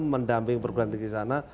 mendamping perguruan tinggi sana